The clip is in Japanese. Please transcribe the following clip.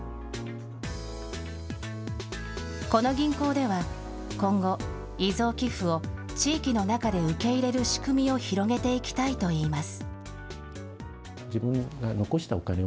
この銀行では、今後、遺贈寄付を地域の中で受け入れる仕組みを広げていきたいといいます。